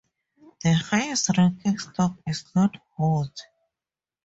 The highest ranking stock is not bought.